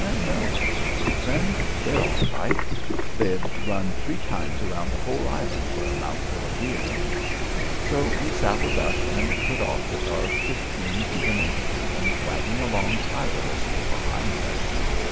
"No," answered my friend. "They're all right; they'd run three times around the whole island for a mouthful of beer." So we saddled up and put off with our fifteen Cuban infantrymen wagging along tirelessly behind us.